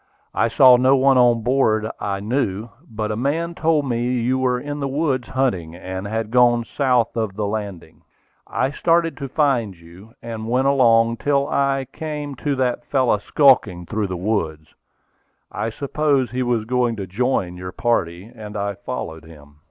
I saw no one on board that I knew, but a man told me you were in the woods hunting, and had gone south of the landing. "I started to find you; and went along till I came to that fellow skulking through the woods. I supposed he was going to join your party, and I followed him.